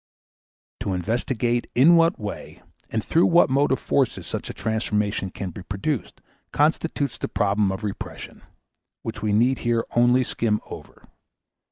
To investigate in what way and through what motive forces such a transformation can be produced constitutes the problem of repression, which we need here only skim over.